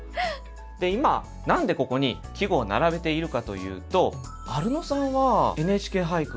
で今何でここに季語を並べているかというとアルノさんは「ＮＨＫ俳句」